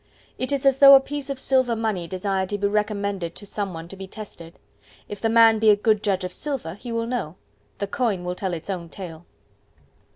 —It is as though a piece of silver money desired to be recommended to some one to be tested. If the man be a good judge of silver, he will know: the coin will tell its own tale.